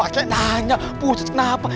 aku nanya pucat kenapa